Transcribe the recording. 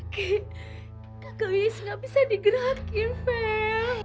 kakak iis nggak bisa digerakin peh